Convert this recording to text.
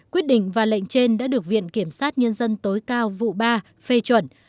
quyết định và lệnh trên đã được viện kiểm sát nhân dân tối cao vụ ba phê chuẩn